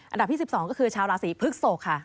อันดับที่๑๒ก็คือชาวราศีพฤกษกค่ะ